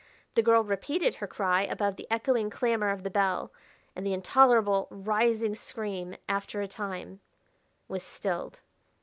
The girl repeated her cry above the echoing clamor of the bell and the intolerable, rising scream, after a time, was stilled.